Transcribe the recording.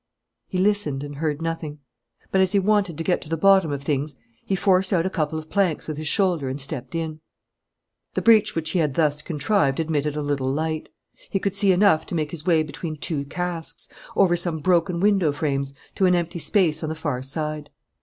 He listened and heard nothing. But as he wanted to get to the bottom of things he forced out a couple of planks with his shoulder and stepped in. The breach which he had thus contrived admitted a little light. He could see enough to make his way between two casks, over some broken window frames, to an empty space on the far side.